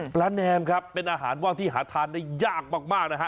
แนมครับเป็นอาหารว่างที่หาทานได้ยากมากนะฮะ